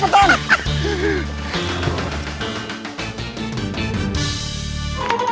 ke padanya is